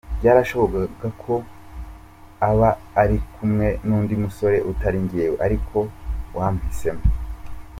Byarashobokaga ko aba uri kumwe n’undi musore utari njye ariko wampisemo.